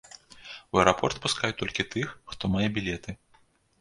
У аэрапорт пускаюць толькі тых, хто мае білеты.